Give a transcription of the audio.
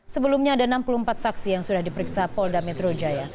sebelumnya ada enam puluh empat saksi yang sudah diperiksa polda metro jaya